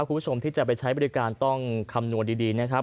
คุณผู้ชมที่จะไปใช้บริการต้องคำนวณดีนะครับ